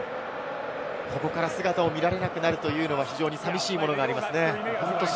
ここから姿を見られなくなるのも寂しいものがありますね。